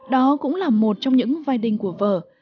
đó cũng là một trong những vai đinh của vở